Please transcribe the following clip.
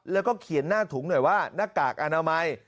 แล้วก็เขียนหน้าถุงหน่อยว่าหน้ากากอนามัย